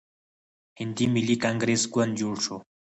هندي ملي کانګریس ګوند جوړ شو.